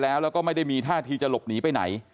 แล้วก็ไม่ได้มีท่าทีจะหลบหนีไปไหน